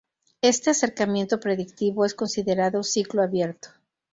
Este acercamiento predictivo es considerado ciclo abierto.